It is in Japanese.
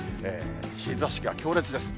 日ざしが強烈です。